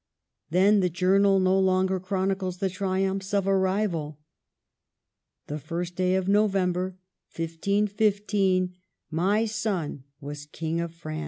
Then the journal no longer chronicles the triumphs of a rival :—" The I St day of November, 15 15, my son was King of France."